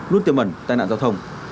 luôn tiềm ẩn tai nạn giao thông